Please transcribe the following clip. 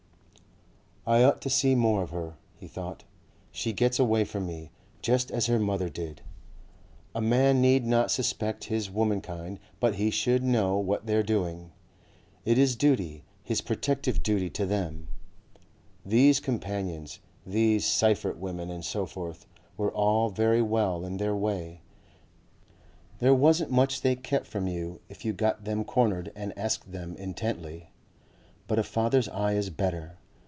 "I ought to see more of her," he thought. "She gets away from me. Just as her mother did." A man need not suspect his womenkind but he should know what they are doing. It is duty, his protective duty to them. These companions, these Seyffert women and so forth, were all very well in their way; there wasn't much they kept from you if you got them cornered and asked them intently. But a father's eye is better.